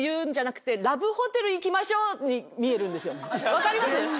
分かります？